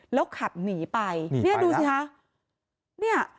แล้วขัดหนีไปนี่ดูสิค่ะ